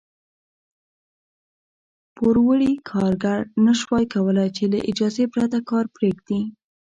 پوروړي کارګر نه شوای کولای چې له اجازې پرته کار پرېږدي.